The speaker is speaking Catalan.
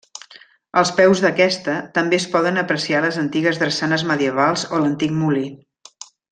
Als peus d'aquesta també es poden apreciar les antigues drassanes medievals o l'antic molí.